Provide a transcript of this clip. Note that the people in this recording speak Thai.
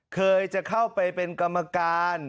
เคยจะเข้าไปเป็นกรรมการ